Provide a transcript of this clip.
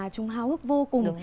chúng hao hức vô cùng